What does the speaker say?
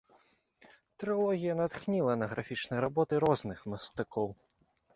Трылогія натхніла на графічныя работы розных мастакоў.